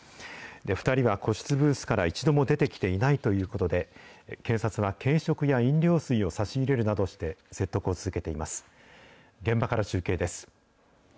２人は個室ブースから一度も出てきていないということで、警察は軽食や飲料水を差し入れるなどして、説得を続けています。